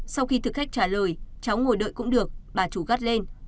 sau khi thực khách trả lời cháu ngồi đợi cũng được bà chủ gắt lên